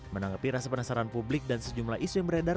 menanggapi rasa penasaran publik dan sejumlah isu yang beredar